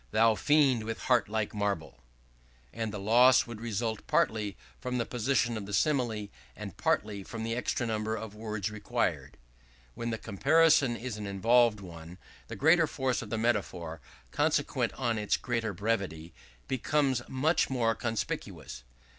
thou fiend with heart like marble;" and the loss would result partly from the position of the simile and partly from the extra number of words required. When the comparison is an involved one, the greater force of the metaphor, consequent on its greater brevity, becomes much more conspicuous.